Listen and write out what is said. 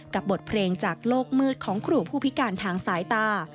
บทเพลงจากโลกมืดของครูผู้พิการทางสายตา